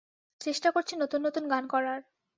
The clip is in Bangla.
চেষ্টা করছি নতুন নতুন গান করার।